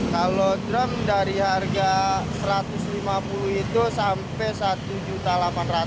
kalau drum dari harga satu ratus lima puluh itu sampai satu delapan juta